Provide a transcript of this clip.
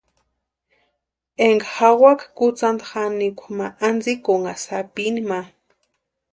Ekinha jawaka kutsanta janikwa ma antsïkʼunha sapini ma.